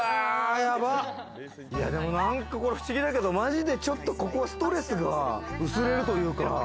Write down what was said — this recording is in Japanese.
なんか不思議だけれど、マジでここちょっとストレスが薄れるというか。